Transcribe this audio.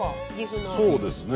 そうですね